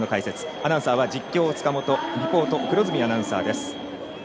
アナウンサーは実況、塚本リポート、黒住アナウンサーです。